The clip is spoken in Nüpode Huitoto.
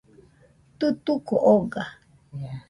Tutuco oga.